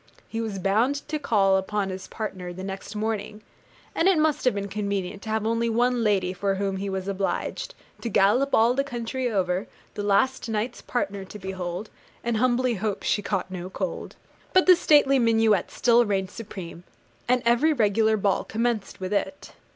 He was bound to call upon his partner the next morning, and it must have been convenient to have only one lady for whom he was obliged To gallop all the country over, The last night's partner to behold, And humbly hope she caught no cold. But the stately minuet still reigned supreme; and every regular ball commenced with it.